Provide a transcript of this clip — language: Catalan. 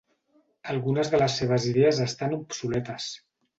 Algunes de les seves idees estan obsoletes.